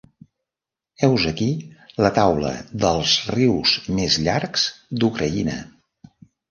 Heus aquí la taula dels rius més llargs d'Ucraïna.